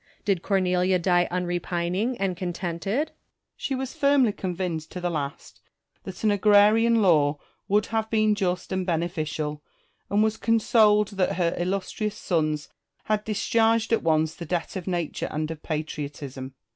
Did Cornelia die unrepining and contented ? Marcus. She was firmly convinced to the last that an agrarian law would have been just and beneficial, and was consoled that her illustrious sons had discharged at once the debt of nature and of patriotism.